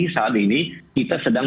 saat ini kita sedang